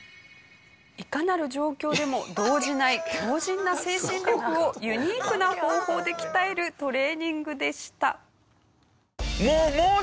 いかなる状況でも動じない強靱な精神力をユニークな方法で鍛えるトレーニングでした。